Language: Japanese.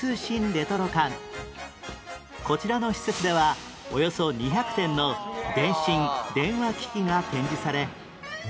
こちらの施設ではおよそ２００点の電信・電話機器が展示され